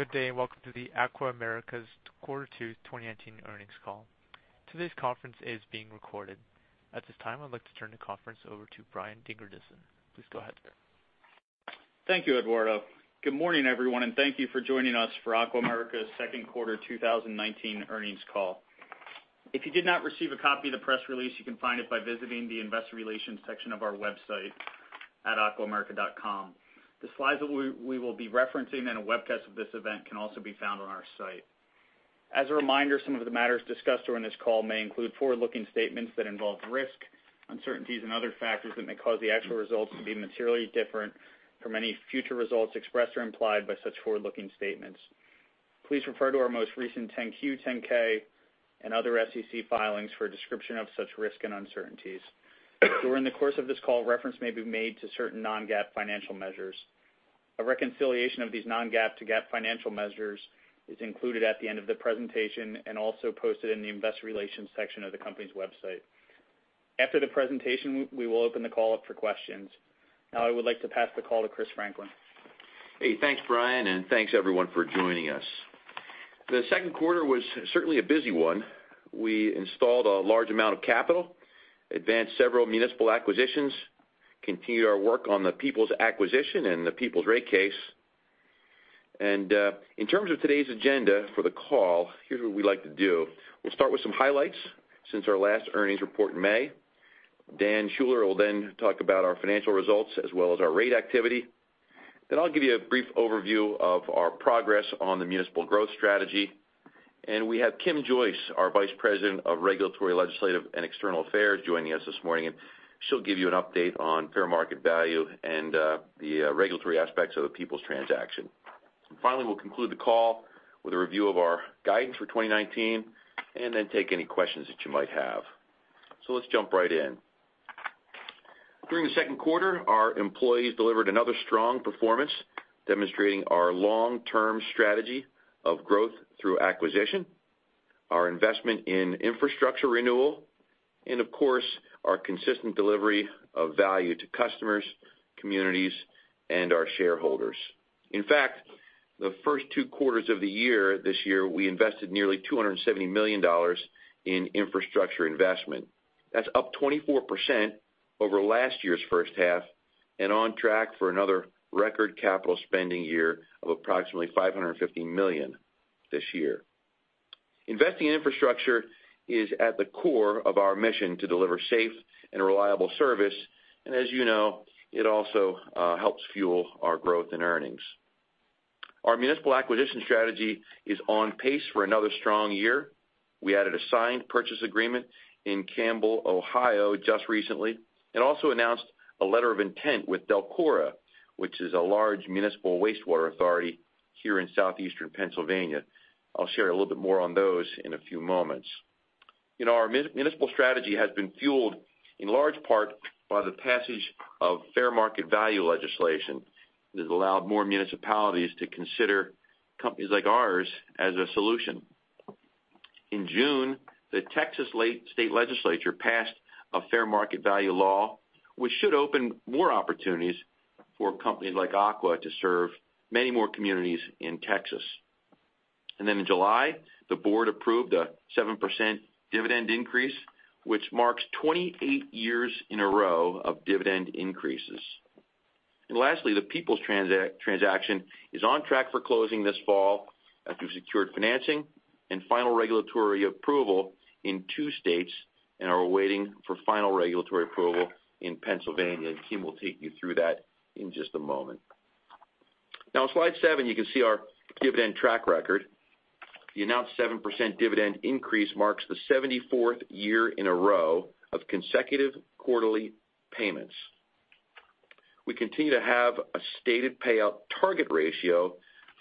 Good day, welcome to the Aqua America's Quarter Two 2019 earnings call. Today's conference is being recorded. At this time, I'd like to turn the conference over to Brian Dingerdissen. Please go ahead, Brian. Thank you, Eduardo. Good morning, everyone, and thank you for joining us for Aqua America's second quarter 2019 earnings call. If you did not receive a copy of the press release, you can find it by visiting the investor relations section of our website at aquaamerica.com. The slides that we will be referencing in a webcast of this event can also be found on our site. As a reminder, some of the matters discussed during this call may include forward-looking statements that involve risk, uncertainties and other factors that may cause the actual results to be materially different from any future results expressed or implied by such forward-looking statements. Please refer to our most recent 10-Q, 10-K and other SEC filings for a description of such risks and uncertainties. During the course of this call, reference may be made to certain non-GAAP financial measures. A reconciliation of these non-GAAP to GAAP financial measures is included at the end of the presentation and also posted in the investor relations section of the company's website. After the presentation, we will open the call up for questions. Now I would like to pass the call to Chris Franklin. Hey, thanks, Brian, thanks everyone for joining us. The second quarter was certainly a busy one. We installed a large amount of capital, advanced several municipal acquisitions, continued our work on the Peoples Natural Gas acquisition and the Peoples Natural Gas rate case. In terms of today's agenda for the call, here's what we'd like to do. We'll start with some highlights since our last earnings report in May. Daniel Schuller will then talk about our financial results as well as our rate activity. I'll give you a brief overview of our progress on the municipal growth strategy. We have Kim Joyce, our Vice President of Regulatory, Legislative and External Affairs, joining us this morning, and she'll give you an update on fair market value and the regulatory aspects of the Peoples Natural Gas transaction. We'll conclude the call with a review of our guidance for 2019, then take any questions that you might have. Let's jump right in. During the second quarter, our employees delivered another strong performance, demonstrating our long-term strategy of growth through acquisition, our investment in infrastructure renewal, and of course, our consistent delivery of value to customers, communities, and our shareholders. In fact, the first two quarters of the year, this year, we invested nearly $270 million in infrastructure investment. That's up 24% over last year's first half, on track for another record capital spending year of approximately $550 million this year. Investing in infrastructure is at the core of our mission to deliver safe and reliable service, as you know, it also helps fuel our growth and earnings. Our municipal acquisition strategy is on pace for another strong year. We added a signed purchase agreement in Campbell, Ohio just recently. Also announced a letter of intent with DELCORA, which is a large municipal wastewater authority here in southeastern Pennsylvania. I'll share a little bit more on those in a few moments. Our municipal strategy has been fueled in large part by the passage of fair market value legislation that has allowed more municipalities to consider companies like ours as a solution. In June, the Texas Legislature passed a fair market value law, which should open more opportunities for companies like Aqua to serve many more communities in Texas. In July, the board approved a 7% dividend increase, which marks 28 years in a row of dividend increases. Lastly, the Peoples transaction is on track for closing this fall after we secured financing and final regulatory approval in two states and are waiting for final regulatory approval in Pennsylvania, and Kim will take you through that in just a moment. On slide seven, you can see our dividend track record. The announced 7% dividend increase marks the 74th year in a row of consecutive quarterly payments. We continue to have a stated payout target ratio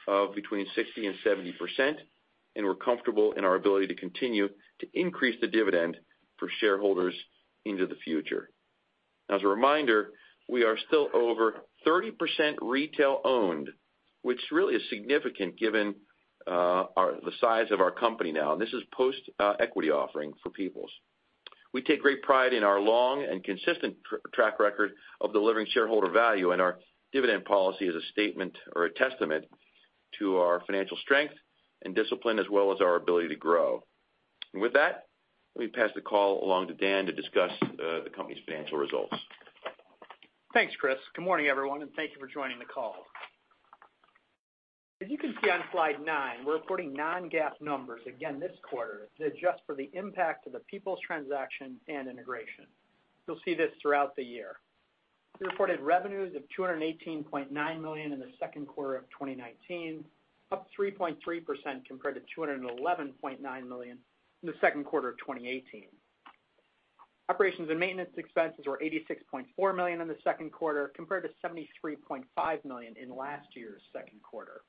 of between 60% and 70%, and we're comfortable in our ability to continue to increase the dividend for shareholders into the future. As a reminder, we are still over 30% retail-owned, which really is significant given the size of our company now, and this is post equity offering for Peoples. We take great pride in our long and consistent track record of delivering shareholder value. Our dividend policy is a statement or a testament to our financial strength and discipline, as well as our ability to grow. With that, let me pass the call along to Dan to discuss the company's financial results. Thanks, Chris. Good morning, everyone. Thank you for joining the call. As you can see on slide nine, we're reporting non-GAAP numbers again this quarter to adjust for the impact of the Peoples transaction and integration. You'll see this throughout the year. We reported revenues of $218.9 million in the second quarter of 2019, up 3.3% compared to $211.9 million in the second quarter of 2018. Operations and maintenance expenses were $86.4 million in the second quarter, compared to $73.5 million in last year's second quarter.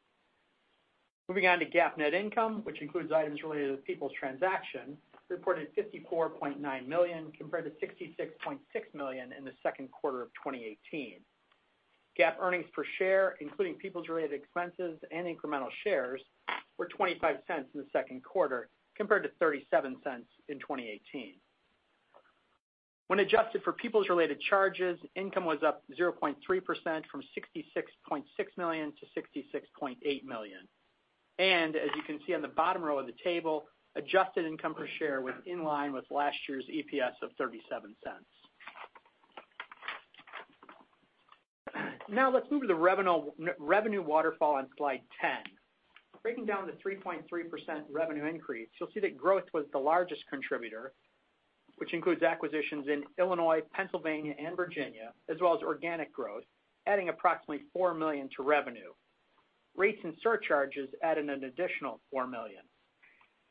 Moving on to GAAP net income, which includes items related to the Peoples transaction, reported $54.9 million compared to $66.6 million in the second quarter of 2018. GAAP earnings per share, including Peoples-related expenses and incremental shares, were $0.25 in the second quarter compared to $0.37 in 2018. When adjusted for Peoples-related charges, income was up 0.3% from $66.6 million to $66.8 million. As you can see on the bottom row of the table, adjusted income per share was in line with last year's EPS of $0.37. Now, let's move to the revenue waterfall on slide 10. Breaking down the 3.3% revenue increase, you'll see that growth was the largest contributor, which includes acquisitions in Illinois, Pennsylvania, and Virginia, as well as organic growth, adding approximately $4 million to revenue. Rates and surcharges added an additional $4 million.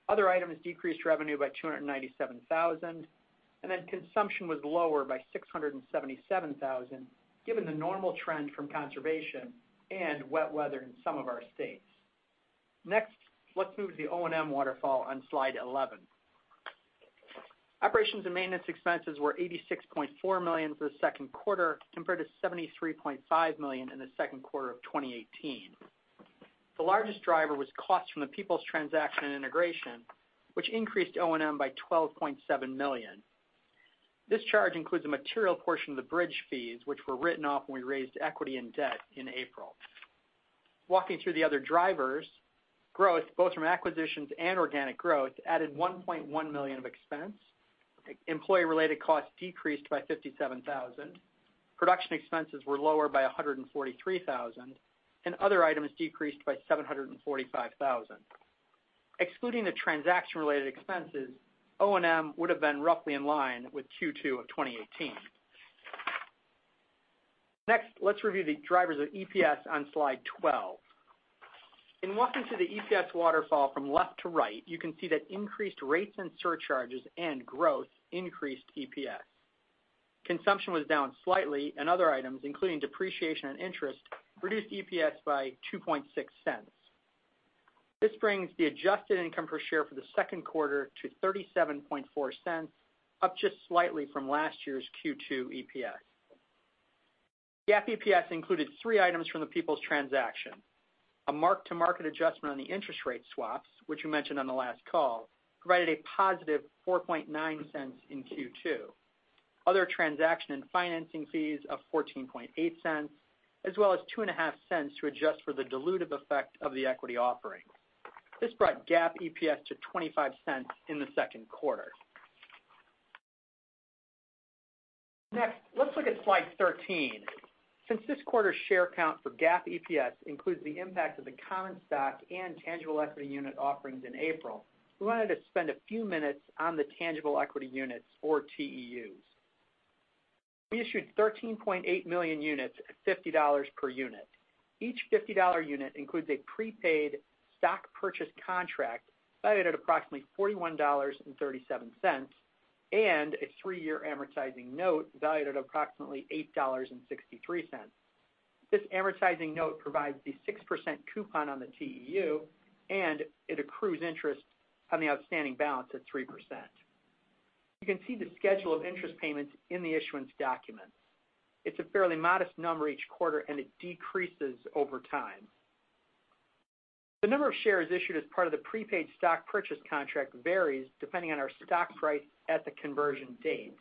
Other items decreased revenue by $297,000, and then consumption was lower by $677,000, given the normal trend from conservation and wet weather in some of our states. Let's move to the O&M waterfall on slide 11. Operations and maintenance expenses were $86.4 million for the second quarter, compared to $73.5 million in the second quarter of 2018. The largest driver was costs from the Peoples transaction and integration, which increased O&M by $12.7 million. This charge includes a material portion of the bridge fees, which were written off when we raised equity and debt in April. Walking through the other drivers, growth, both from acquisitions and organic growth, added $1.1 million of expense. Employee-related costs decreased by $57,000. Production expenses were lower by $143,000, and other items decreased by $745,000. Excluding the transaction-related expenses, O&M would've been roughly in line with Q2 of 2018. Let's review the drivers of EPS on slide 12. In walking through the EPS waterfall from left to right, you can see that increased rates and surcharges and growth increased EPS. Consumption was down slightly, and other items, including depreciation and interest, reduced EPS by $0.026. This brings the adjusted income per share for the second quarter to $0.374, up just slightly from last year's Q2 EPS. GAAP EPS included three items from the Peoples transaction. A mark-to-market adjustment on the interest rate swaps, which we mentioned on the last call, provided a positive $0.049 in Q2. Other transaction and financing fees of $0.148, as well as $0.025 to adjust for the dilutive effect of the equity offering. This brought GAAP EPS to $0.25 in the second quarter. Let's look at slide 13. Since this quarter's share count for GAAP EPS includes the impact of the common stock and tangible equity unit offerings in April, we wanted to spend a few minutes on the tangible equity units, or TEUs. We issued 13.8 million units at $50 per unit. Each $50 unit includes a prepaid stock purchase contract valued at approximately $41.37, and a three-year amortizing note valued at approximately $8.63. This amortizing note provides the 6% coupon on the TEU, and it accrues interest on the outstanding balance at 3%. You can see the schedule of interest payments in the issuance documents. It's a fairly modest number each quarter, and it decreases over time. The number of shares issued as part of the prepaid stock purchase contract varies depending on our stock price at the conversion date,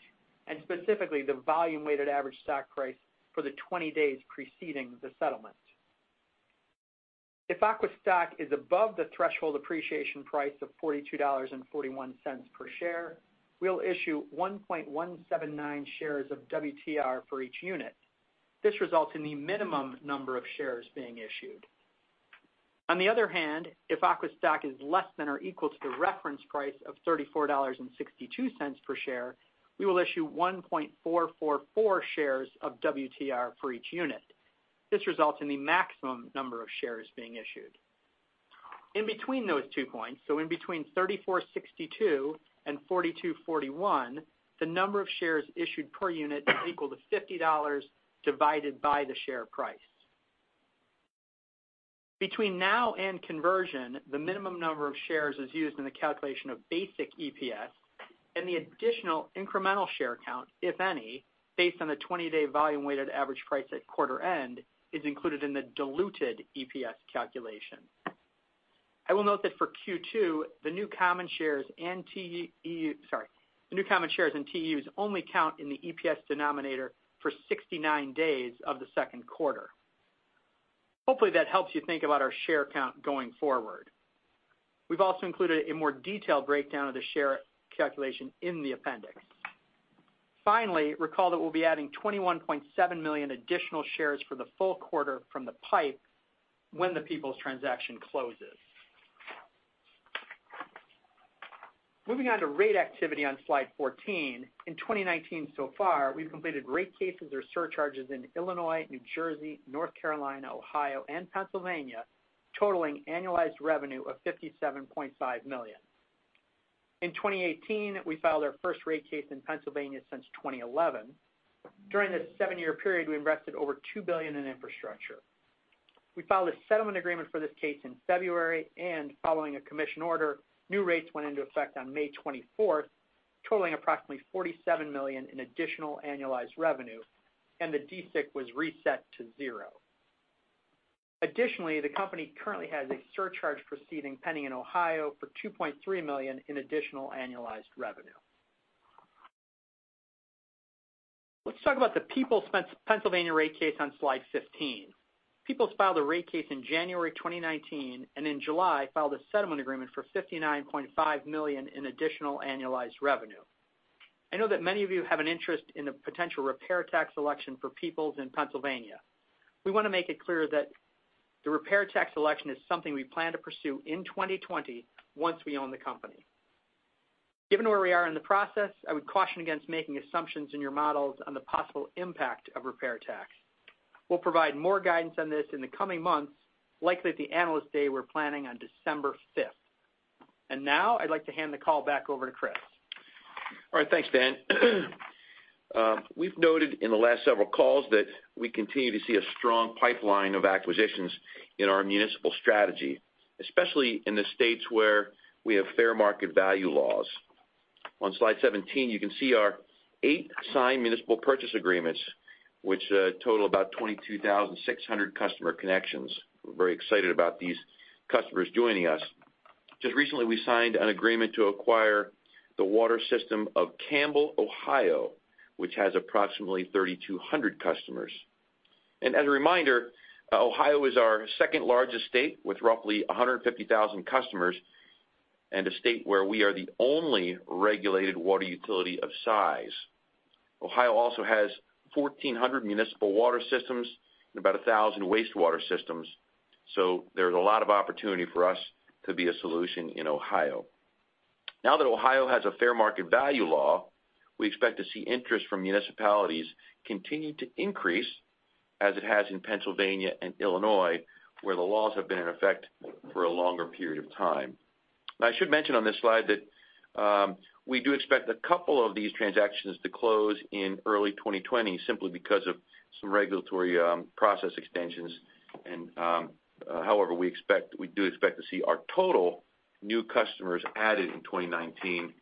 and specifically, the volume-weighted average stock price for the 20 days preceding the settlement. If Aqua stock is above the threshold appreciation price of $42.41 per share, we'll issue 1.179 shares of WTR for each unit. This results in the minimum number of shares being issued. On the other hand, if Aqua stock is less than or equal to the reference price of $34.62 per share, we will issue 1.444 shares of WTR for each unit. This results in the maximum number of shares being issued. In between those two points, so in between $34.62 and $42.41, the number of shares issued per unit is equal to $50 divided by the share price. Between now and conversion, the minimum number of shares is used in the calculation of basic EPS, and the additional incremental share count, if any, based on the 20-day volume-weighted average price at quarter end, is included in the diluted EPS calculation. I will note that for Q2, the new common shares and TUs only count in the EPS denominator for 69 days of the second quarter. Hopefully, that helps you think about our share count going forward. We've also included a more detailed breakdown of the share calculation in the appendix. Finally, recall that we'll be adding 21.7 million additional shares for the full quarter from the PIPE when the Peoples transaction closes. Moving on to rate activity on slide 14, in 2019 so far, we've completed rate cases or surcharges in Illinois, New Jersey, North Carolina, Ohio, and Pennsylvania, totaling annualized revenue of $57.5 million. In 2018, we filed our first rate case in Pennsylvania since 2011. During this seven-year period, we invested over $2 billion in infrastructure. We filed a settlement agreement for this case in February, and following a commission order, new rates went into effect on May 24th, totaling approximately $47 million in additional annualized revenue, and the DSIC was reset to zero. Additionally, the company currently has a surcharge proceeding pending in Ohio for $2.3 million in additional annualized revenue. Let's talk about the Peoples Pennsylvania rate case on slide 15. Peoples filed a rate case in January 2019, and in July, filed a settlement agreement for $59.5 million in additional annualized revenue. I know that many of you have an interest in a potential repair tax election for Peoples in Pennsylvania. We want to make it clear that the repair tax election is something we plan to pursue in 2020 once we own the company. Given where we are in the process, I would caution against making assumptions in your models on the possible impact of repair tax. We'll provide more guidance on this in the coming months, likely at the Analyst Day we're planning on December 5th. Now I'd like to hand the call back over to Chris. All right. Thanks, Dan. We've noted in the last several calls that we continue to see a strong pipeline of acquisitions in our municipal strategy, especially in the states where we have fair market value laws. On slide 17, you can see our eight signed municipal purchase agreements, which total about 22,600 customer connections. We're very excited about these customers joining us. Just recently, we signed an agreement to acquire the water system of Campbell, Ohio, which has approximately 3,200 customers. As a reminder, Ohio is our second-largest state with roughly 150,000 customers and a state where we are the only regulated water utility of size. Ohio also has 1,400 municipal water systems and about 1,000 wastewater systems, so there's a lot of opportunity for us to be a solution in Ohio. Now that Ohio has a fair market value law, we expect to see interest from municipalities continue to increase as it has in Pennsylvania and Illinois, where the laws have been in effect for a longer period of time. I should mention on this slide that we do expect a couple of these transactions to close in early 2020, simply because of some regulatory process extensions. However, we do expect to see our total new customers added in 2019,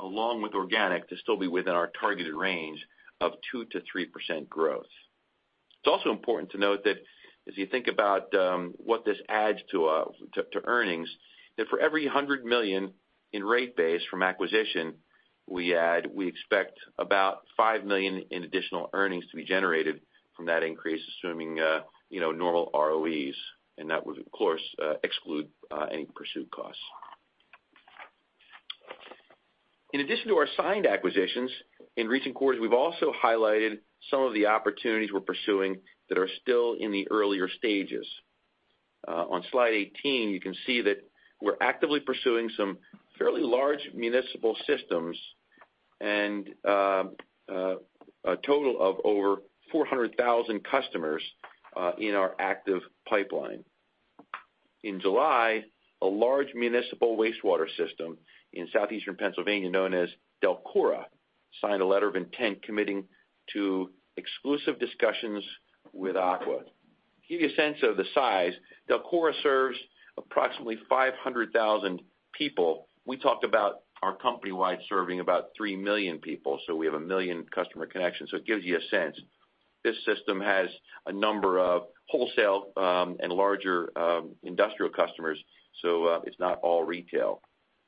along with organic, to still be within our targeted range of 2% to 3% growth. It's also important to note that as you think about what this adds to earnings, that for every $100 million in rate base from acquisition we add, we expect about $5 million in additional earnings to be generated from that increase, assuming normal ROEs. That would, of course, exclude any pursuit costs. In addition to our signed acquisitions, in recent quarters, we've also highlighted some of the opportunities we're pursuing that are still in the earlier stages. On slide 18, you can see that we're actively pursuing some fairly large municipal systems and a total of over 400,000 customers in our active pipeline. In July, a large municipal wastewater system in southeastern Pennsylvania known as DELCORA signed a letter of intent committing to exclusive discussions with Aqua. To give you a sense of the size, DELCORA serves approximately 500,000 people. We talked about our company-wide serving about 3 million people. We have 1 million customer connections, it gives you a sense. This system has a number of wholesale and larger industrial customers. It's not all retail.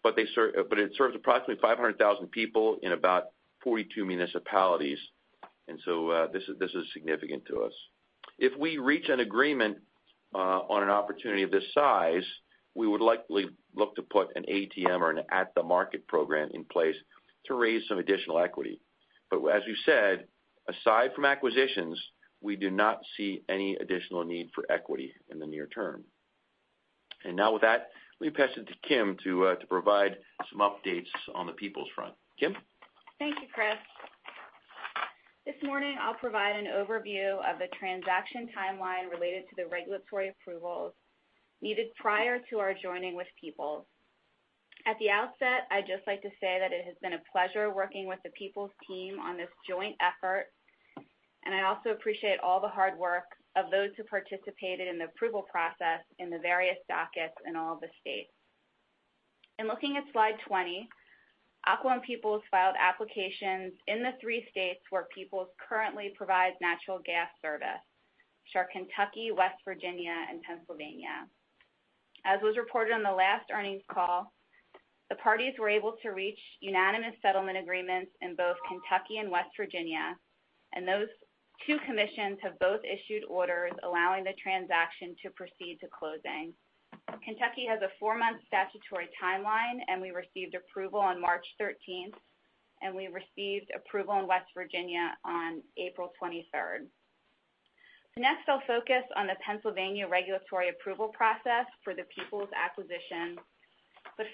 It serves approximately 500,000 people in about 42 municipalities. This is significant to us. If we reach an agreement on an opportunity of this size, we would likely look to put an ATM or an at-the-market program in place to raise some additional equity. As we said, aside from acquisitions, we do not see any additional need for equity in the near term. Now with that, let me pass it to Kim to provide some updates on the Peoples front. Kim? Thank you, Chris. This morning, I'll provide an overview of the transaction timeline related to the regulatory approvals needed prior to our joining with Peoples. At the outset, I'd just like to say that it has been a pleasure working with the Peoples team on this joint effort, and I also appreciate all the hard work of those who participated in the approval process in the various dockets in all of the states. In looking at slide 20, Aqua and Peoples filed applications in the three states where Peoples currently provides natural gas service, which are Kentucky, West Virginia, and Pennsylvania. As was reported on the last earnings call, the parties were able to reach unanimous settlement agreements in both Kentucky and West Virginia, and those two commissions have both issued orders allowing the transaction to proceed to closing. Kentucky has a four-month statutory timeline, and we received approval on March 13th, and we received approval in West Virginia on April 23rd. Next, I'll focus on the Pennsylvania regulatory approval process for the Peoples acquisition.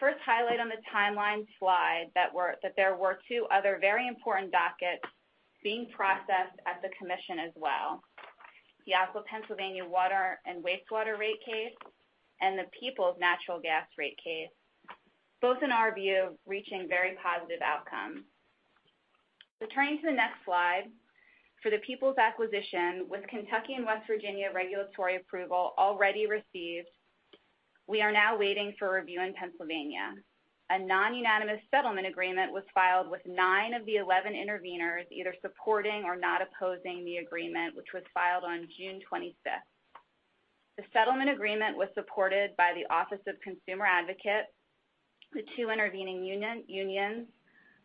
First, highlight on the timeline slide that there were two other very important dockets being processed at the commission as well, the Aqua Pennsylvania water and wastewater rate case and the Peoples Natural Gas rate case. Both, in our view, reaching very positive outcomes. Turning to the next slide, for the Peoples acquisition, with Kentucky and West Virginia regulatory approval already received. We are now waiting for review in Pennsylvania. A non-unanimous settlement agreement was filed with nine of the 11 interveners, either supporting or not opposing the agreement, which was filed on June 25th. The settlement agreement was supported by the Office of Consumer Advocate, the two intervening unions,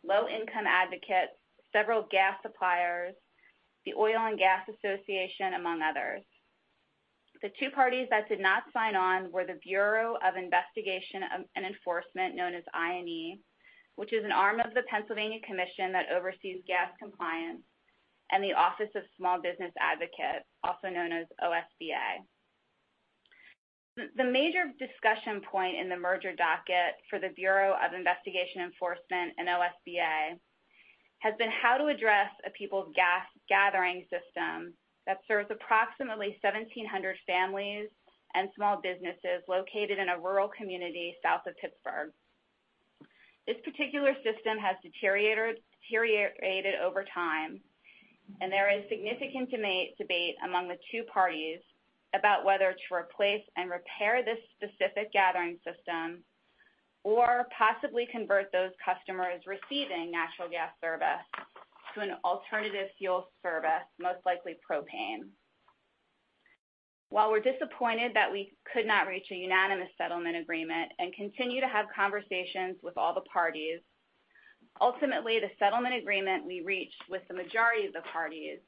low-income advocates, several gas suppliers, the Pennsylvania Independent Oil & Gas Association, among others. The two parties that did not sign on were the Bureau of Investigation and Enforcement, known as I&E, which is an arm of the Pennsylvania Public Utility Commission that oversees gas compliance, and the Office of Small Business Advocate, also known as OSBA. The major discussion point in the merger docket for the Bureau of Investigation and Enforcement and OSBA has been how to address a Peoples Natural Gas gathering system that serves approximately 1,700 families and small businesses located in a rural community south of Pittsburgh. This particular system has deteriorated over time, and there is significant debate among the two parties about whether to replace and repair this specific gathering system or possibly convert those customers receiving natural gas service to an alternative fuel service, most likely propane. While we're disappointed that we could not reach a unanimous settlement agreement and continue to have conversations with all the parties, ultimately, the settlement agreement we reached with the majority of the parties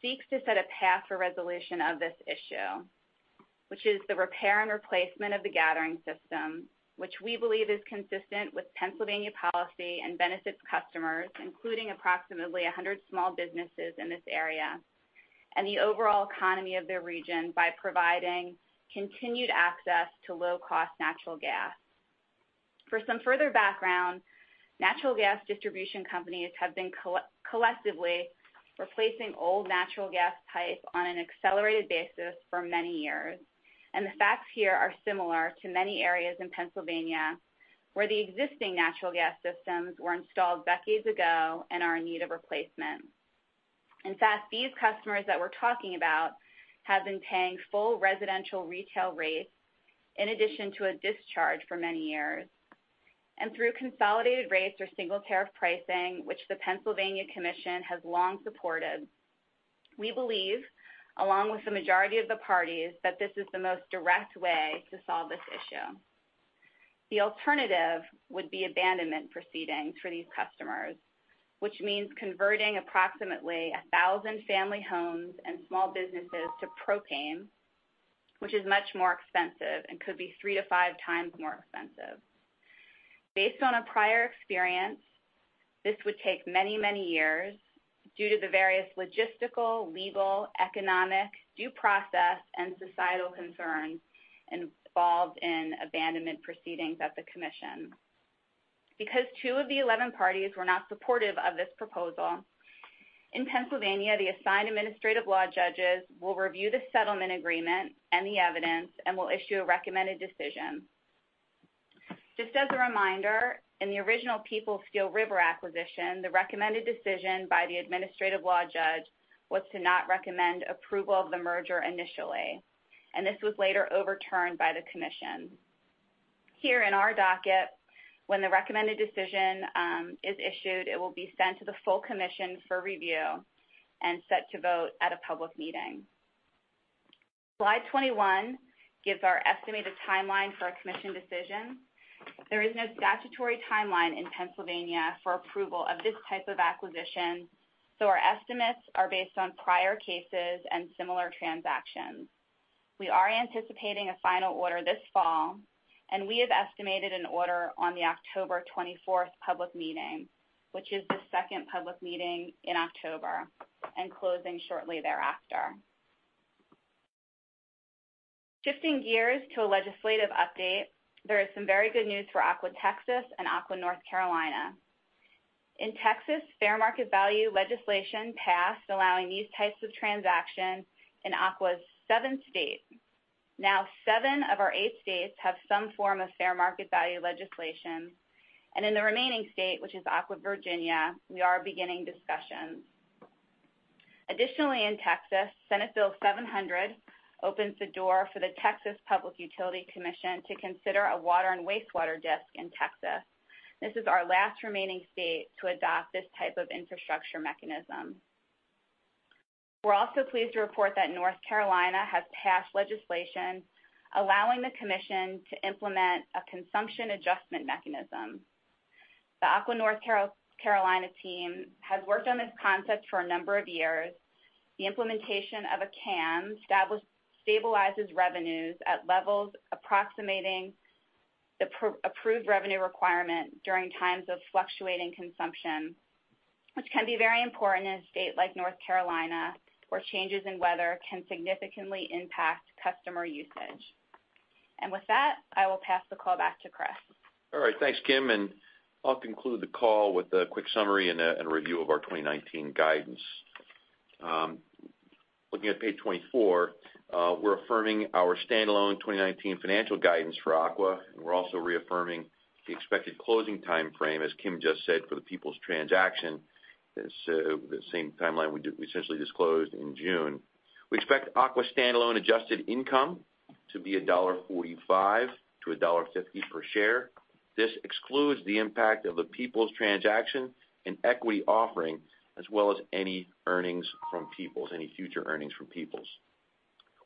seeks to set a path for resolution of this issue, which is the repair and replacement of the gathering system, which we believe is consistent with Pennsylvania policy and benefits customers, including approximately 100 small businesses in this area, and the overall economy of the region by providing continued access to low-cost natural gas. For some further background, natural gas distribution companies have been collectively replacing old natural gas pipe on an accelerated basis for many years, and the facts here are similar to many areas in Pennsylvania, where the existing natural gas systems were installed decades ago and are in need of replacement. In fact, these customers that we're talking about have been paying full residential retail rates in addition to a DSIC for many years. Through consolidated rates or single tariff pricing, which the Pennsylvania Commission has long supported, we believe, along with the majority of the parties, that this is the most direct way to solve this issue. The alternative would be abandonment proceedings for these customers, which means converting approximately 1,000 family homes and small businesses to propane, which is much more expensive and could be three to five times more expensive. Based on a prior experience, this would take many years due to the various logistical, legal, economic, due process, and societal concerns involved in abandonment proceedings at the Commission. Because two of the 11 parties were not supportive of this proposal, in Pennsylvania, the assigned administrative law judges will review the settlement agreement and the evidence and will issue a recommended decision. Just as a reminder, in the original Peoples SteelRiver acquisition, the recommended decision by the administrative law judge was to not recommend approval of the merger initially, and this was later overturned by the Commission. Here in our docket, when the recommended decision is issued, it will be sent to the full Commission for review and set to vote at a public meeting. Slide 21 gives our estimated timeline for a Commission decision. There is no statutory timeline in Pennsylvania for approval of this type of acquisition, so our estimates are based on prior cases and similar transactions. We are anticipating a final order this fall, and we have estimated an order on the October 24th public meeting, which is the second public meeting in October, and closing shortly thereafter. Shifting gears to a legislative update, there is some very good news for Aqua Texas and Aqua North Carolina. In Texas, fair market value legislation passed, allowing these types of transactions in Aqua's seven states. Now, seven of our eight states have some form of fair market value legislation, and in the remaining state, which is Aqua Virginia, we are beginning discussions. Additionally, in Texas, Senate Bill 700 opens the door for the Texas Public Utility Commission to consider a water and wastewater DSIC in Texas. This is our last remaining state to adopt this type of infrastructure mechanism. We're also pleased to report that North Carolina has passed legislation allowing the Commission to implement a consumption adjustment mechanism. The Aqua North Carolina team has worked on this concept for a number of years. The implementation of a CAM stabilizes revenues at levels approximating the approved revenue requirement during times of fluctuating consumption, which can be very important in a state like North Carolina, where changes in weather can significantly impact customer usage. With that, I will pass the call back to Chris. All right. Thanks, Kim, I'll conclude the call with a quick summary and a review of our 2019 guidance. Looking at page 24, we're affirming our standalone 2019 financial guidance for Aqua, we're also reaffirming the expected closing timeframe, as Kim just said, for the Peoples transaction, the same timeline we essentially disclosed in June. We expect Aqua standalone adjusted income to be $1.45-$1.50 per share. This excludes the impact of the Peoples transaction and equity offering, as well as any future earnings from Peoples.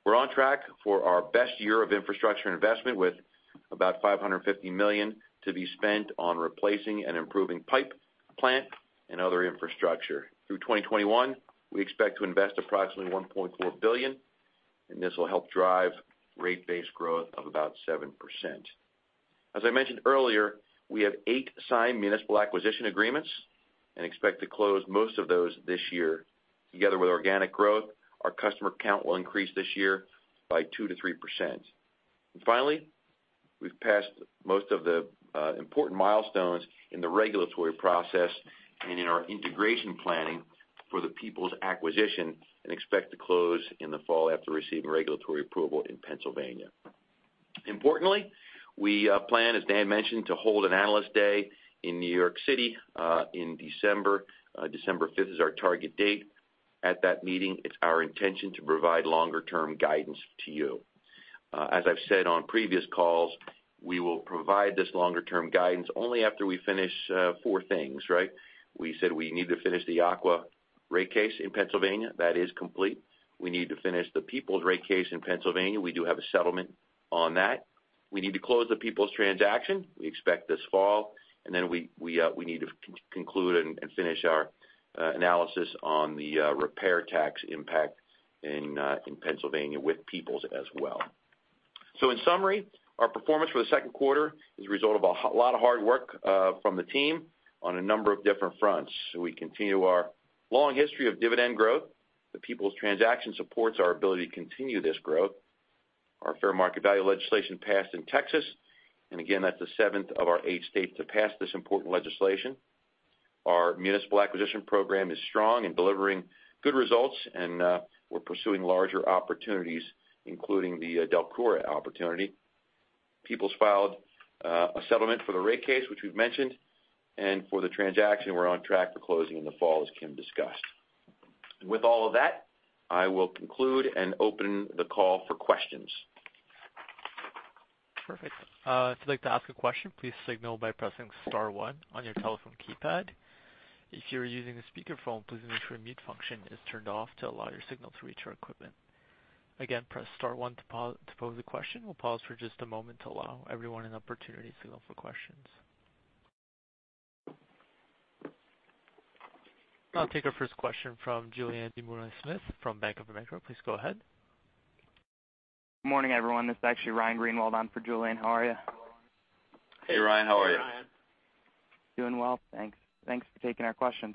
We're on track for our best year of infrastructure investment, with about $550 million to be spent on replacing and improving pipe, plant, and other infrastructure. Through 2021, we expect to invest approximately $1.4 billion, this will help drive rate base growth of about 7%. As I mentioned earlier, we have eight signed municipal acquisition agreements and expect to close most of those this year. Together with organic growth, our customer count will increase this year by 2%-3%. Finally, we've passed most of the important milestones in the regulatory process and in our integration planning for the Peoples acquisition and expect to close in the fall after receiving regulatory approval in Pennsylvania. Importantly, we plan, as Dan mentioned, to hold an Analyst Day in New York City in December. December 5th is our target date. At that meeting, it's our intention to provide longer-term guidance to you. As I've said on previous calls, we will provide this longer-term guidance only after we finish four things. We said we need to finish the Aqua rate case in Pennsylvania. That is complete. We need to finish the Peoples rate case in Pennsylvania. We do have a settlement on that. We need to close the Peoples transaction. We expect this fall. Then we need to conclude and finish our analysis on the repair tax impact in Pennsylvania with Peoples as well. In summary, our performance for the second quarter is a result of a lot of hard work from the team on a number of different fronts. We continue our long history of dividend growth. The Peoples transaction supports our ability to continue this growth. Our fair market value legislation passed in Texas, and again, that's the seventh of our eight states to pass this important legislation. Our municipal acquisition program is strong and delivering good results, and we're pursuing larger opportunities, including the DELCORA opportunity. Peoples filed a settlement for the rate case, which we've mentioned, and for the transaction, we're on track for closing in the fall, as Kim discussed. With all of that, I will conclude and open the call for questions. Perfect. If you'd like to ask a question, please signal by pressing star one on your telephone keypad. If you're using a speakerphone, please make sure mute function is turned off to allow your signal to reach our equipment. Again, press star one to pose a question. We'll pause for just a moment to allow everyone an opportunity to go for questions. I'll take our first question from Julien Dumoulin-Smith from Bank of America. Please go ahead. Morning, everyone. This is actually Ryan Greenwald on for Julien. How are you? Hey, Ryan, how are you? Hey, Ryan. Doing well, thanks. Thanks for taking our questions.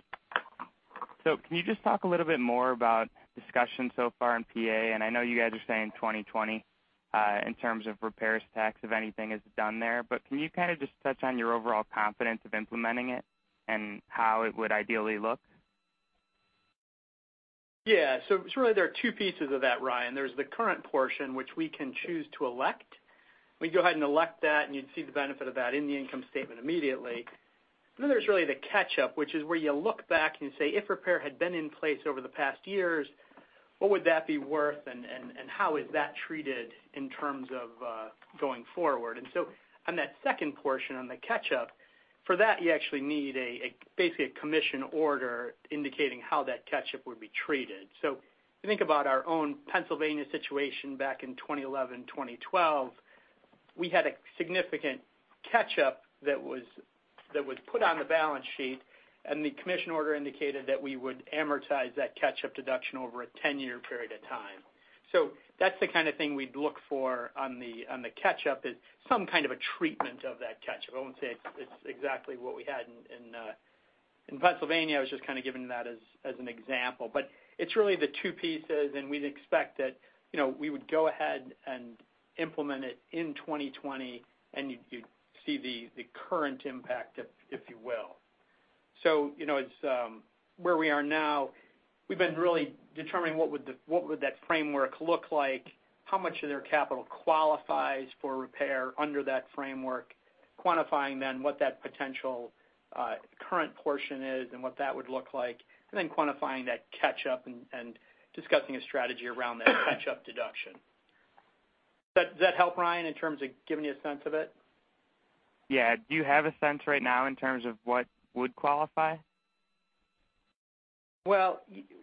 Can you just talk a little bit more about discussion so far in P.A.? I know you guys are saying 2020, in terms of repair tax, if anything is done there. Can you kind of just touch on your overall confidence of implementing it and how it would ideally look? Yeah. Really there are two pieces of that, Ryan. There's the current portion which we can choose to elect. We can go ahead and elect that, and you'd see the benefit of that in the income statement immediately. There's really the catch-up, which is where you look back and say, if Repair had been in place over the past years, what would that be worth and how is that treated in terms of going forward? On that second portion on the catch-up, for that, you actually need basically a commission order indicating how that catch-up would be treated. If you think about our own Pennsylvania situation back in 2011, 2012, we had a significant catch-up that was put on the balance sheet, and the commission order indicated that we would amortize that catch-up deduction over a 10-year period of time. That's the kind of thing we'd look for on the catch-up is some kind of a treatment of that catch-up. I won't say it's exactly what we had in Pennsylvania. I was just kind of giving that as an example. It's really the two pieces, and we'd expect that we would go ahead and implement it in 2020, and you'd see the current impact, if you will. Where we are now, we've been really determining what would that framework look like, how much of their capital qualifies for repair under that framework, quantifying then what that potential current portion is and what that would look like, and then quantifying that catch-up and discussing a strategy around that catch-up deduction. Does that help, Ryan, in terms of giving you a sense of it? Yeah. Do you have a sense right now in terms of what would qualify? It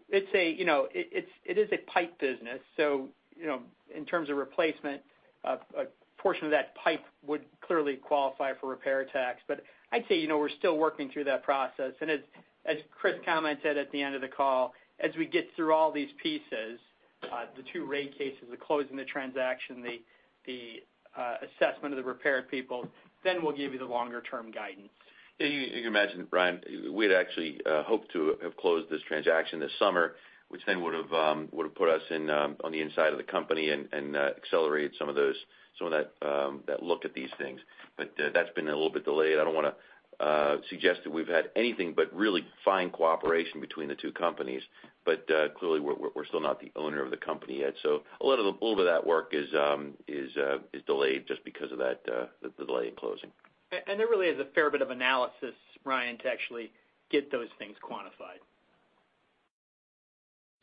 is a pipe business, so in terms of replacement, a portion of that pipe would clearly qualify for repair tax. I'd say we're still working through that process. As Chris commented at the end of the call, as we get through all these pieces, the two rate cases, the closing the transaction, the assessment of the repair of Peoples, then we'll give you the longer-term guidance. Yeah, you can imagine, Ryan, we had actually hoped to have closed this transaction this summer, which then would've put us on the inside of the company and accelerated some of that look at these things. That's been a little bit delayed. I don't want to suggest that we've had anything but really fine cooperation between the two companies. Clearly, we're still not the owner of the company yet. A little bit of that work is delayed just because of the delay in closing. There really is a fair bit of analysis, Ryan, to actually get those things quantified.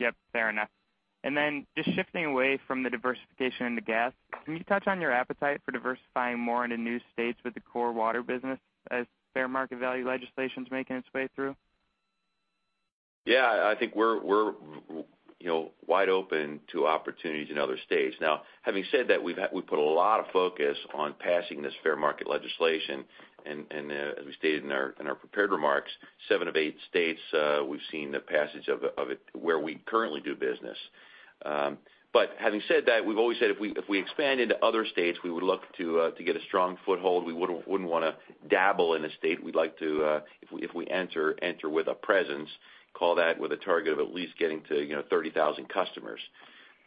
Yep, fair enough. Then just shifting away from the diversification into gas, can you touch on your appetite for diversifying more into new states with the core water business as fair market value legislation is making its way through? Yeah, I think we're wide open to opportunities in other states. Having said that, we've put a lot of focus on passing this fair market value. As we stated in our prepared remarks, 7 of 8 states, we've seen the passage of it where we currently do business. Having said that, we've always said if we expand into other states, we would look to get a strong foothold. We wouldn't want to dabble in a state. We'd like to, if we enter with a presence, call that with a target of at least getting to 30,000 customers.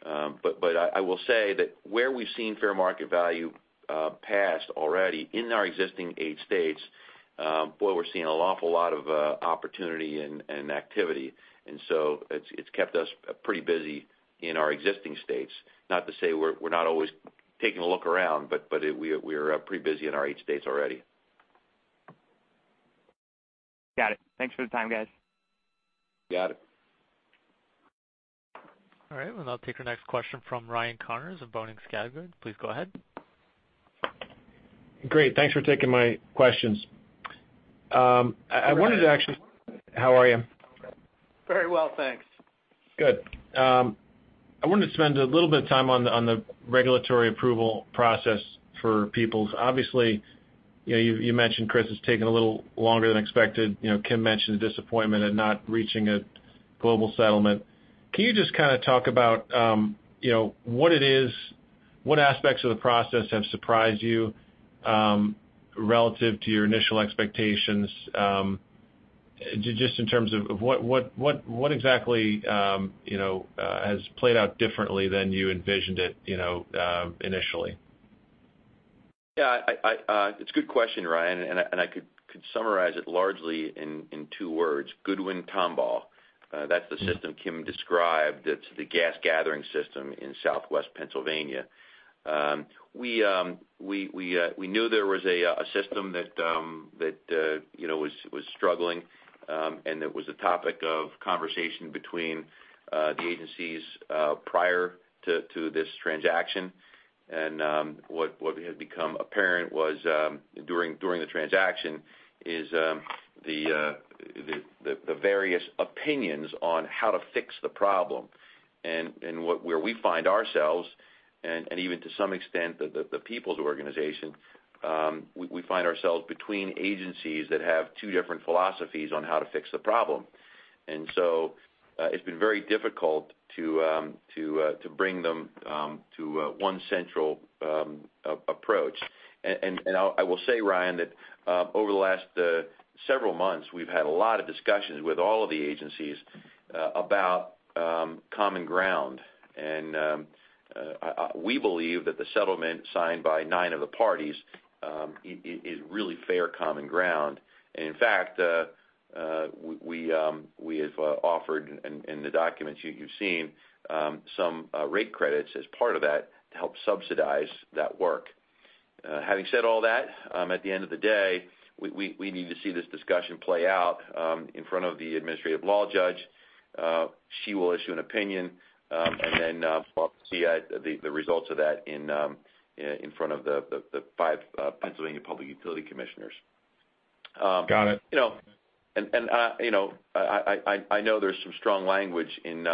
I will say that where we've seen fair market value passed already in our existing 8 states, boy, we're seeing an awful lot of opportunity and activity. It's kept us pretty busy in our existing states. Not to say we're not always taking a look around, but we're pretty busy in our eight states already. Got it. Thanks for the time, guys. Got it. All right. I'll take our next question from Ryan Connors of Boenning & Scattergood. Please go ahead. Great. Thanks for taking my questions. Ryan. How are you? Very well, thanks. Good. I wanted to spend a little bit of time on the regulatory approval process for Peoples. Obviously, you mentioned, Chris, it is taking a little longer than expected. Kim mentioned the disappointment of not reaching a global settlement. Can you just talk about what it is, what aspects of the process have surprised you relative to your initial expectations, just in terms of what exactly has played out differently than you envisioned it initially? Yeah. It's a good question, Ryan, I could summarize it largely in two words: Goodwin-Tombaugh. That's the system Kim described. It's the gas gathering system in Southwestern Pennsylvania. We knew there was a system that was struggling, it was a topic of conversation between the agencies prior to this transaction. What had become apparent during the transaction is the various opinions on how to fix the problem. Where we find ourselves, even to some extent, the Peoples organization, we find ourselves between agencies that have two different philosophies on how to fix the problem. It's been very difficult to bring them to one central approach. I will say, Ryan, that over the last several months, we've had a lot of discussions with all of the agencies about common ground. We believe that the settlement signed by nine of the parties is really fair common ground. In fact, we have offered in the documents you've seen some rate credits as part of that to help subsidize that work. Having said all that, at the end of the day, we need to see this discussion play out in front of the administrative law judge. She will issue an opinion, then we'll see the results of that in front of the five Pennsylvania Public Utility Commissioners. Got it. I know there's some strong language in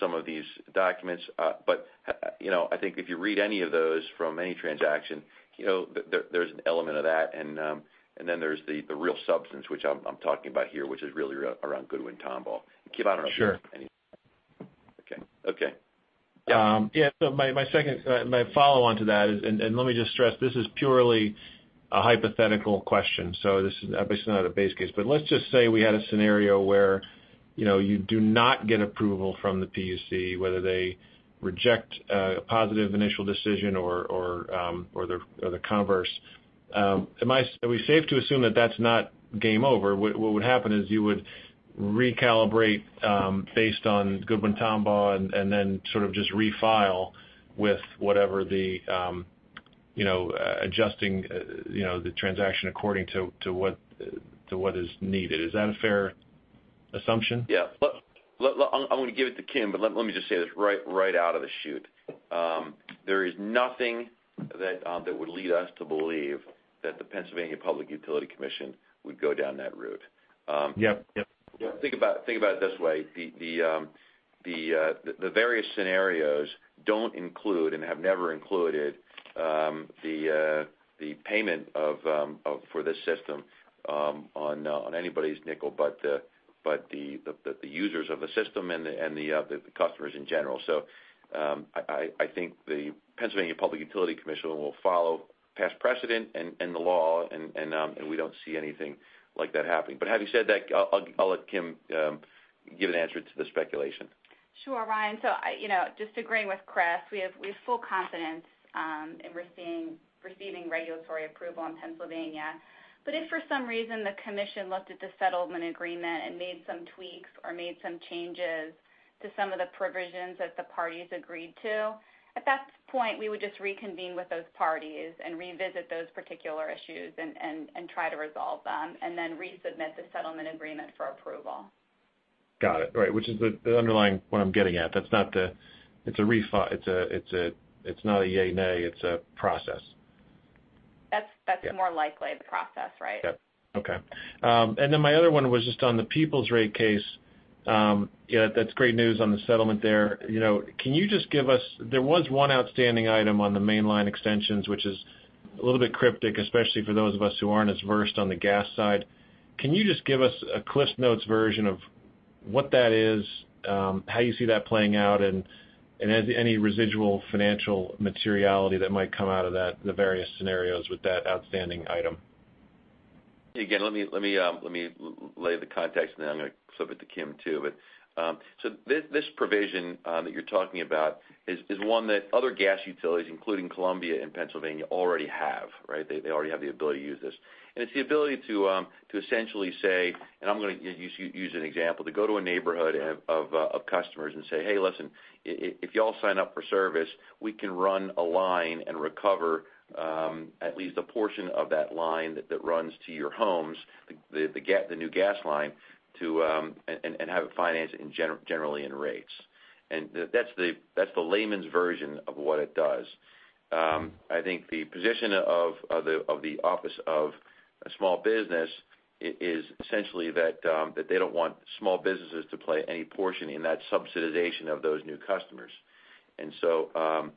some of these documents. I think if you read any of those from any transaction, there's an element of that, and then there's the real substance, which I'm talking about here, which is really around Goodwin-Tombaugh. Kim, I don't know if you have anything. Sure. Okay. Yeah. My follow-on to that is, and let me just stress, this is purely a hypothetical question, so this is obviously not a base case. Let's just say we had a scenario where you do not get approval from the PUC, whether they reject a positive initial decision or the converse. Are we safe to assume that that's not game over? What would happen is you would recalibrate based on Goodwin-Tombaugh and then just refile with whatever the adjusting the transaction according to what is needed. Is that a fair assumption? Yeah. I'm going to give it to Kim, but let me just say this right out of the chute. There is nothing that would lead us to believe that the Pennsylvania Public Utility Commission would go down that route. Yep. Think about it this way. The various scenarios don't include and have never included the payment for this system on anybody's nickel but the users of the system and the customers in general. I think the Pennsylvania Public Utility Commission will follow past precedent and the law, and we don't see anything like that happening. Having said that, I'll let Kim give an answer to the speculation. Sure, Ryan. Just agreeing with Chris, we have full confidence in receiving regulatory approval in Pennsylvania. If for some reason the commission looked at the settlement agreement and made some tweaks or made some changes to some of the provisions that the parties agreed to, at that point, we would just reconvene with those parties and revisit those particular issues and try to resolve them, and then resubmit the settlement agreement for approval. Got it. Right, which is the underlying point I'm getting at. It's not a yay, nay, it's a process. That's more likely the process, right? Yep. Okay. My other one was just on the Peoples rate case. That's great news on the settlement there. There was one outstanding item on the main line extensions, which is a little bit cryptic, especially for those of us who aren't as versed on the gas side. Can you just give us a CliffsNotes version of what that is, how you see that playing out, and any residual financial materiality that might come out of that in the various scenarios with that outstanding item? Let me lay the context, then I'm going to flip it to Kim, too. This provision that you're talking about is one that other gas utilities, including Columbia in Pennsylvania, already have. They already have the ability to use this. It's the ability to essentially say, and I'm going to use an example, to go to a neighborhood of customers and say, "Hey, listen, if you all sign up for service, we can run a line and recover at least a portion of that line that runs to your homes, the new gas line, and have it financed generally in rates." That's the layman's version of what it does. I think the position of the Office of Small Business is essentially that they don't want small businesses to play any portion in that subsidization of those new customers. I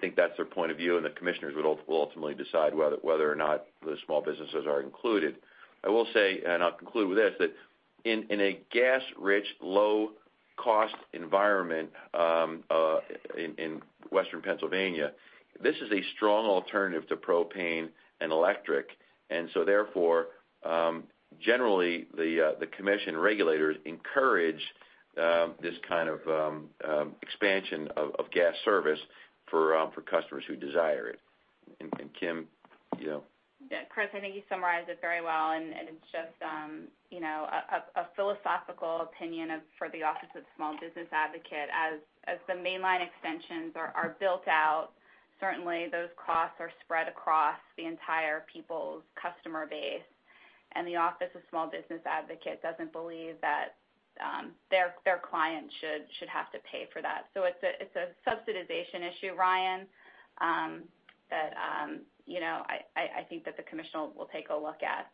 think that's their point of view, and the commissioners will ultimately decide whether or not those small businesses are included. I will say, and I'll conclude with this, that in a gas-rich, low-cost environment in Western Pennsylvania, this is a strong alternative to propane and electric. Therefore, generally, the commission regulators encourage this kind of expansion of gas service for customers who desire it. Kim, you know. Yeah, Chris, I think you summarized it very well. It's just a philosophical opinion for the Office of Small Business Advocate. As the main line extensions are built out, certainly those costs are spread across the entire Peoples customer base. The Office of Small Business Advocate doesn't believe that their client should have to pay for that. It's a subsidization issue, Ryan, that I think that the commissioner will take a look at.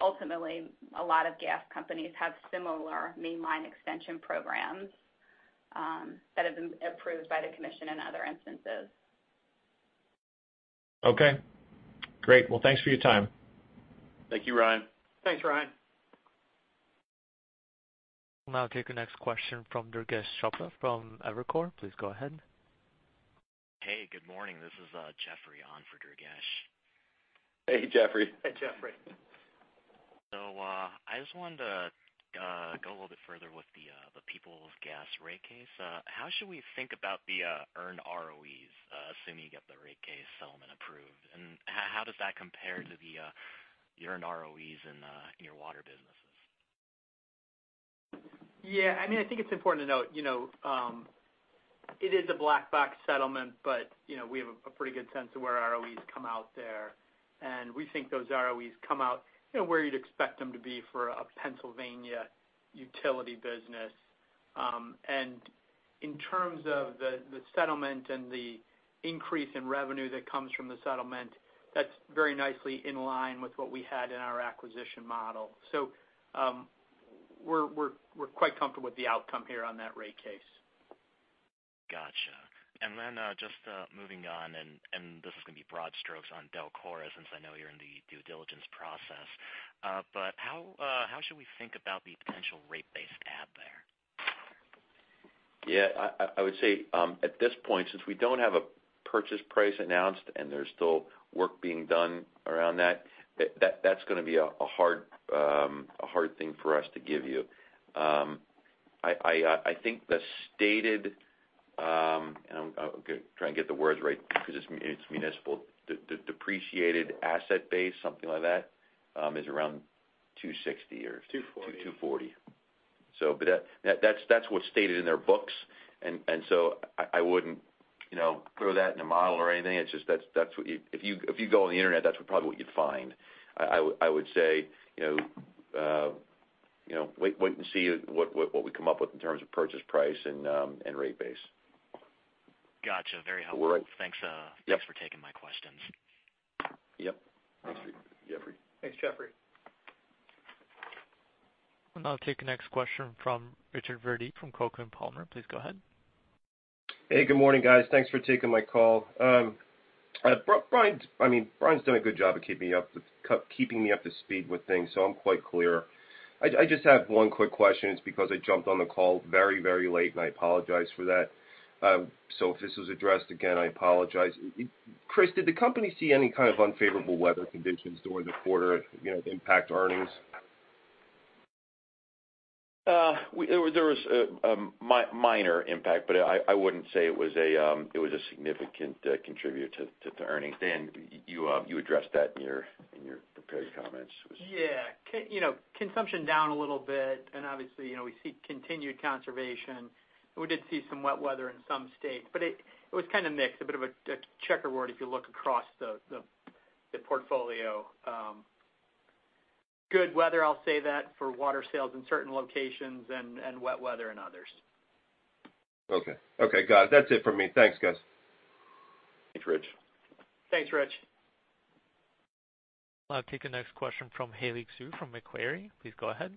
Ultimately, a lot of gas companies have similar main line extension programs that have been approved by the commission in other instances. Okay, great. Well, thanks for your time. Thank you, Ryan. Thanks, Ryan. I'll now take the next question from Durgesh Chopra from Evercore. Please go ahead. Hey, good morning. This is Jeffrey on for Durgesh. Hey, Jeffrey. Hey, Jeffrey. I just wanted to go a little bit further with the Peoples Gas rate case. How should we think about the earned ROEs, assuming you get the rate case settlement approved? How does that compare to the earned ROEs in your water businesses? Yeah, I think it's important to note, it is a black box settlement, but we have a pretty good sense of where ROEs come out there. We think those ROEs come out where you'd expect them to be for a Pennsylvania utility business. In terms of the settlement and the increase in revenue that comes from the settlement, that's very nicely in line with what we had in our acquisition model. We're quite comfortable with the outcome here on that rate case. Got you. Then just moving on, this is going to be broad strokes on DELCORA since I know you're in the due diligence process. How should we think about the potential rate base add there? I would say, at this point, since we don't have a purchase price announced and there's still work being done around that's going to be a hard thing for us to give you. I think the stated, and I'm going to try and get the words right because it's municipal, the depreciated asset base, something like that, is around $260 or- 240. That's what's stated in their books, and so I wouldn't throw that in a model or anything. If you go on the internet, that's probably what you'd find. I would say, wait and see what we come up with in terms of purchase price and rate base. Got you. Very helpful. Yep. Thanks for taking my questions. Yep. Thanks, Jeffrey. Thanks, Jeffrey. I'll now take the next question from Richard Verdi from Coker & Palmer. Please go ahead. Hey, good morning, guys. Thanks for taking my call. Brian's done a good job of keeping me up to speed with things, so I'm quite clear. I just have one quick question. It's because I jumped on the call very late, and I apologize for that. If this was addressed, again, I apologize. Chris, did the company see any kind of unfavorable weather conditions during the quarter that impact earnings? There was a minor impact, but I wouldn't say it was a significant contributor to the earnings. You addressed that in your prepared comments. Yeah. Consumption down a little bit, and obviously, we see continued conservation. We did see some wet weather in some states. It was kind of mixed, a bit of a checkerboard if you look across the portfolio. Good weather, I'll say that, for water sales in certain locations and wet weather in others. Okay. Got it. That's it for me. Thanks, guys. Thanks, Rich. Thanks, Rich. I'll take the next question from Julien Dumoulin-Smith from Macquarie. Please go ahead.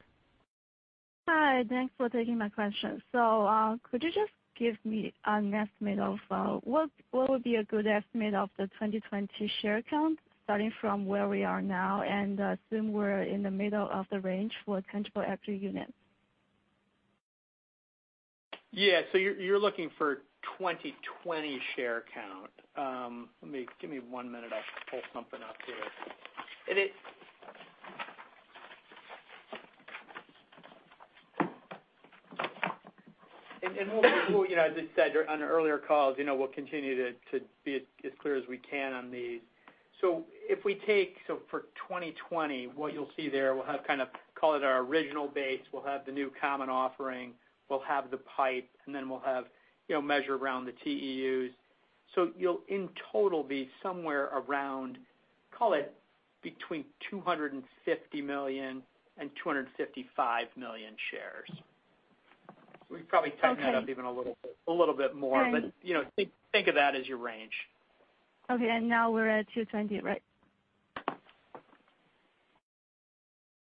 Hi. Thanks for taking my question. Could you just give me an estimate of what would be a good estimate of the 2020 share count starting from where we are now, and assume we're in the middle of the range for tangible equity unit? Yeah. You're looking for 2020 share count. Give me one minute. I'll pull something up here. As I said on earlier calls, we'll continue to be as clear as we can on these. If we take, so for 2020, what you'll see there, we'll have kind of call it our original base, we'll have the new common offering, we'll have the PIPE, and then we'll have measure around the TEUs. You'll in total be somewhere around, call it between 250 million and 255 million shares. We can probably tighten that up even a little bit more. Okay. Think of that as your range. Okay, now we're at 220, right?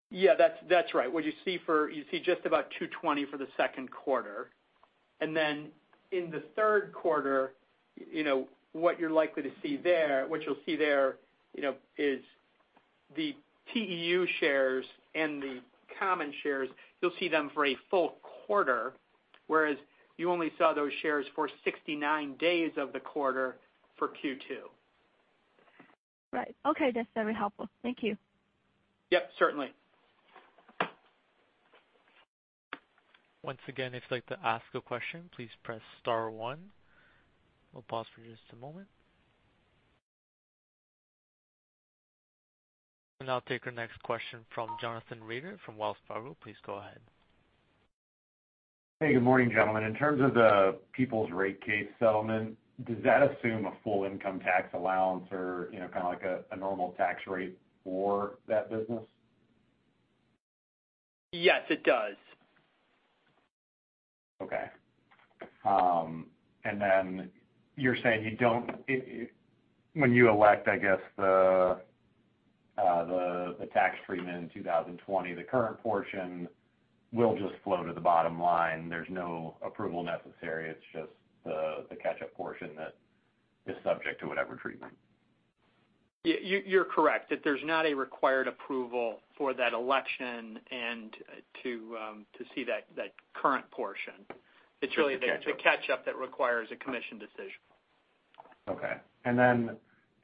Yeah, that's right. What you see just about 220 for the second quarter. In the third quarter, what you're likely to see there, what you'll see there is the TEU shares and the common shares. You'll see them for a full quarter, whereas you only saw those shares for 69 days of the quarter for Q2. Right. Okay, that's very helpful. Thank you. Yep, certainly. Once again, if you'd like to ask a question, please press star one. We'll pause for just a moment. I'll take our next question from Jonathan Reeder from Wells Fargo. Please go ahead. Hey, good morning, gentlemen. In terms of the Peoples' Rate Case settlement, does that assume a full income tax allowance or kind of like a normal tax rate for that business? Yes, it does. Okay. Then you're saying when you elect, I guess, the tax treatment in 2020, the current portion will just flow to the bottom line. There's no approval necessary. It's just the catch-up portion that is subject to whatever treatment. You're correct, that there's not a required approval for that election and to see that current portion. It's the catch-up. the catch-up that requires a commission decision. Okay.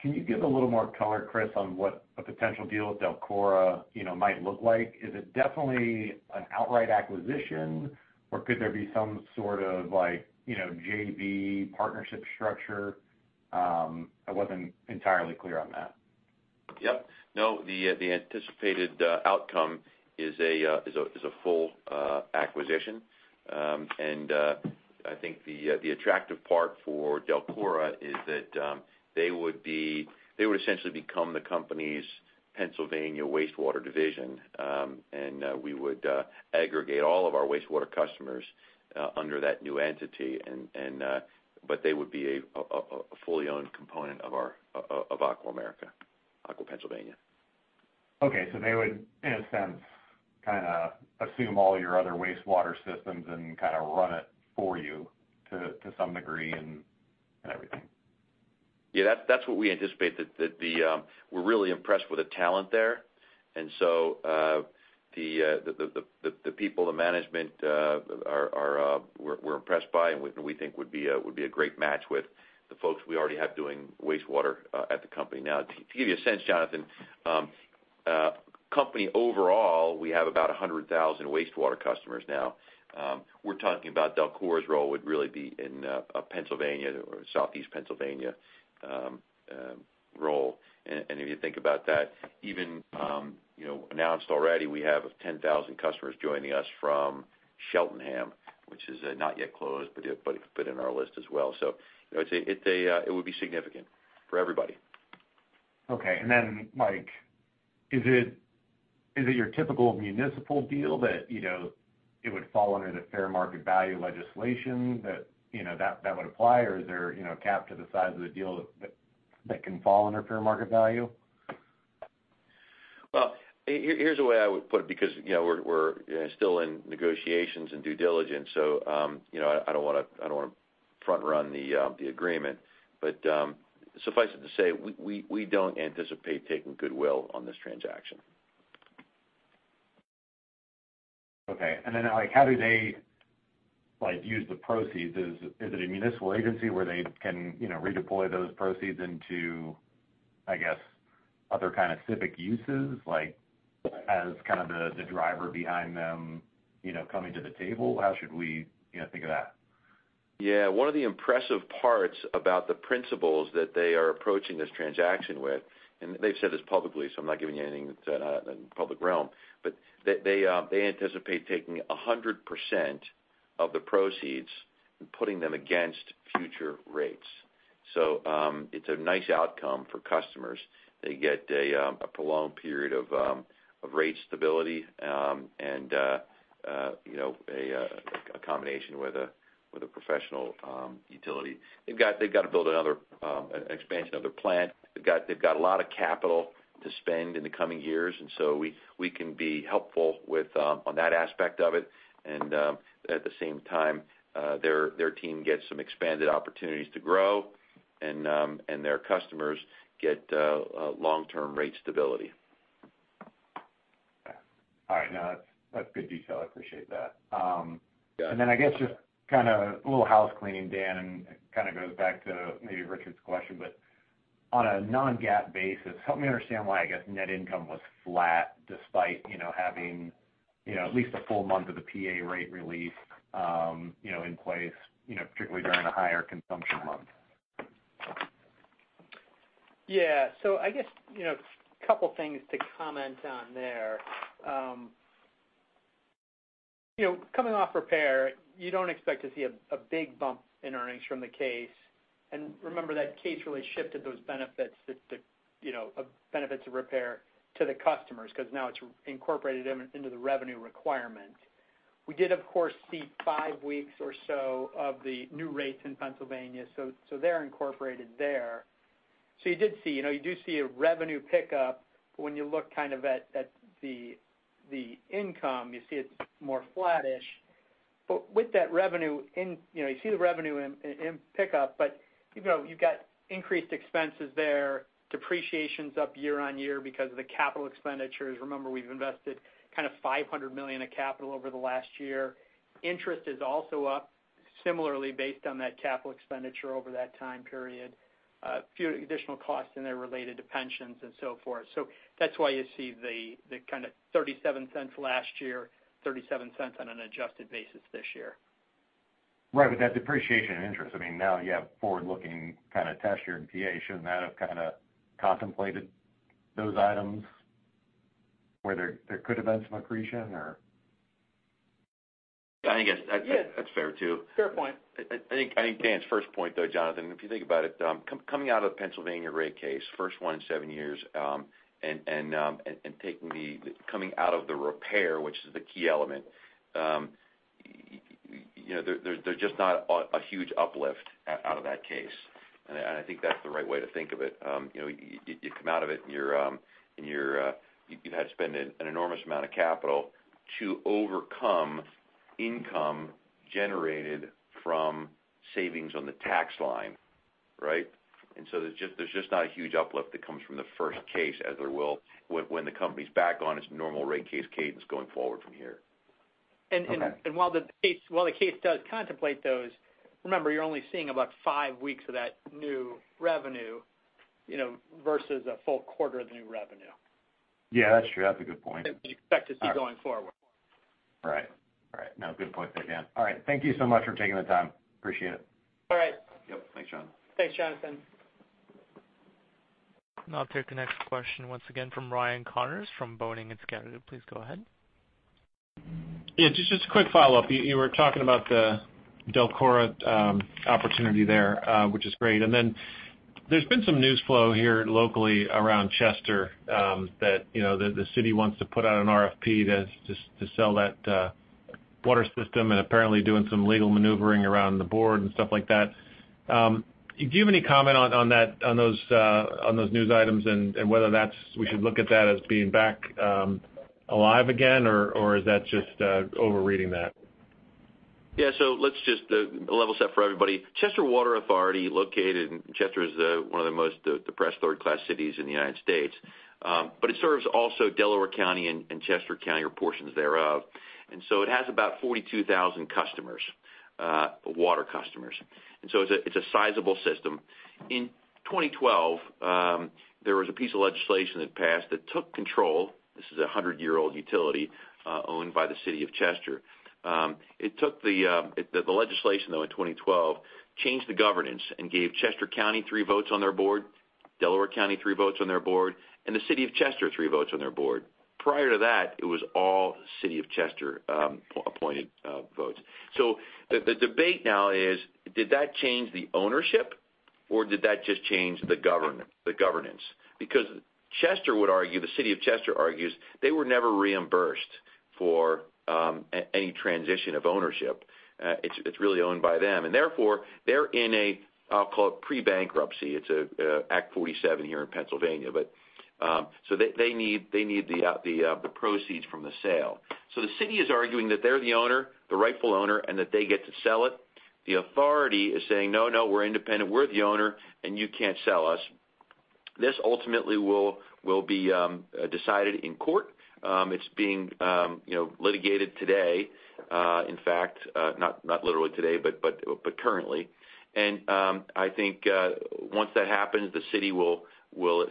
Can you give a little more color, Chris, on what a potential deal with DELCORA might look like? Is it definitely an outright acquisition, or could there be some sort of JV partnership structure? I wasn't entirely clear on that. Yep. No, the anticipated outcome is a full acquisition. I think the attractive part for DELCORA is that they would essentially become the company's Pennsylvania wastewater division. We would aggregate all of our wastewater customers under that new entity. They would be a fully owned component of Aqua America, Aqua Pennsylvania. Okay. They would, in a sense, assume all your other wastewater systems and run it for you to some degree and everything. Yeah, that's what we anticipate. We're really impressed with the talent there. The people, the management we're impressed by and we think would be a great match with the folks we already have doing wastewater at the company. To give you a sense, Jonathan, company overall, we have about 100,000 wastewater customers now. We're talking about DELCORA's role would really be in Pennsylvania or Southeastern Pennsylvania role. If you think about that, even announced already, we have 10,000 customers joining us from Cheltenham, which is not yet closed, but it fit in our list as well. It would be significant for everybody. Okay. Then, Mike, is it your typical municipal deal that it would fall under the fair market value legislation, that would apply, or is there a cap to the size of the deal that can fall under fair market value? Well, here's the way I would put it, because we're still in negotiations and due diligence, so I don't want to front-run the agreement. Suffice it to say, we don't anticipate taking goodwill on this transaction. Okay. How do they use the proceeds? Is it a municipal agency where they can redeploy those proceeds into, I guess, other kind of civic uses as the driver behind them coming to the table? How should we think of that? One of the impressive parts about the Peoples that they are approaching this transaction with, they've said this publicly, so I'm not giving you anything that's not in the public realm, they anticipate taking 100% of the proceeds and putting them against future rates. It's a nice outcome for customers. They get a prolonged period of rate stability, a combination with a professional utility. They've got to build another expansion of their plant. They've got a lot of capital to spend in the coming years, we can be helpful on that aspect of it. At the same time, their team gets some expanded opportunities to grow, their customers get long-term rate stability. All right. No, that's good detail. I appreciate that. Yeah. I guess just kind of a little house cleaning, Dan, and it kind of goes back to maybe Richard's question, but on a non-GAAP basis, help me understand why I guess net income was flat despite having at least a full month of the PA rate release in place, particularly during a higher consumption month. I guess a couple of things to comment on there. Coming off repair, you don't expect to see a big bump in earnings from the case. Remember that case really shifted those benefits of repair to the customers, because now it's incorporated into the revenue requirement. We did, of course, see five weeks or so of the new rates in Pennsylvania, they're incorporated there. You do see a revenue pickup, when you look kind of at the income, you see it's more flattish. With that revenue, you see the revenue pickup, you've got increased expenses there, depreciation's up year-over-year because of the capital expenditures. Remember, we've invested kind of $500 million of capital over the last year. Interest is also up similarly based on that capital expenditure over that time period. A few additional costs in there related to pensions and so forth. That's why you see the kind of $0.37 last year, $0.37 on an adjusted basis this year. Right. With that depreciation interest, I mean, now you have forward-looking kind of test year in PA. Shouldn't that have kind of contemplated those items, where there could've been some accretion or? I think that's fair, too. Fair point. I think Dan's first point, though, Jonathan, if you think about it, coming out of the Pennsylvania rate case, first one in 7 years, and coming out of the repair tax, which is the key element, there's just not a huge uplift out of that case. I think that's the right way to think of it. You come out of it and you've had to spend an enormous amount of capital to overcome income generated from savings on the tax line, right? There's just not a huge uplift that comes from the first case as there will when the company's back on its normal rate case cadence going forward from here. Okay. While the case does contemplate those, remember, you're only seeing about five weeks of that new revenue, versus a full quarter of the new revenue. Yeah, that's true. That's a good point. That you'd expect to see going forward. Right. No, good point there, Dan. All right. Thank you so much for taking the time. Appreciate it. All right. Yep. Thanks, John. Thanks, Jonathan. I'll take the next question once again from Ryan Connors from Boenning & Scattergood. Please go ahead. Yeah, just a quick follow-up. You were talking about the DELCORA opportunity there, which is great. Then there's been some news flow here locally around Chester, that the city wants to put out an RFP to sell that water system and apparently doing some legal maneuvering around the board and stuff like that. Do you have any comment on those news items and whether we should look at that as being back alive again, or is that just overreading that? Let's just level set for everybody. Chester Water Authority located in Chester is one of the most depressed third-class cities in the U.S. It serves also Delaware County and Chester County or portions thereof. It has about 42,000 water customers. It's a sizable system. In 2012, there was a piece of legislation that passed that took control, this is a hundred-year-old utility owned by the city of Chester. The legislation, though, in 2012, changed the governance and gave Chester County three votes on their board, Delaware County three votes on their board, and the city of Chester three votes on their board. Prior to that, it was all city of Chester-appointed votes. The debate now is, did that change the ownership or did that just change the governance? Chester would argue, the city of Chester argues they were never reimbursed for any transition of ownership. It's really owned by them, and therefore, they're in a, I'll call it pre-bankruptcy. It's Act 47 here in Pennsylvania. They need the proceeds from the sale. The city is arguing that they're the owner, the rightful owner, and that they get to sell it. The authority is saying, "No, no, we're independent. We're the owner, and you can't sell us." This ultimately will be decided in court. It's being litigated today. In fact, not literally today, but currently. I think once that happens, the city will,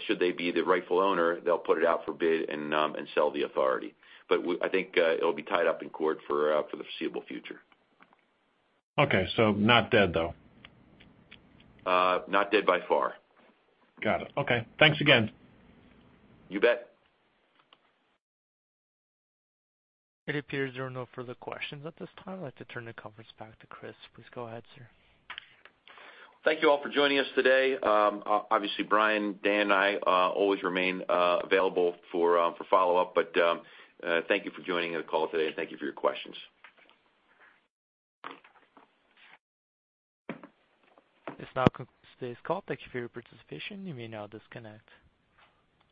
should they be the rightful owner, they'll put it out for bid and sell the authority. I think it'll be tied up in court for the foreseeable future. Okay. Not dead, though? Not dead by far. Got it. Okay. Thanks again. You bet. It appears there are no further questions at this time. I'd like to turn the conference back to Chris. Please go ahead, sir. Thank you all for joining us today. Brian, Dan, and I always remain available for follow-up. Thank you for joining the call today, and thank you for your questions. This now concludes today's call. Thank you for your participation. You may now disconnect.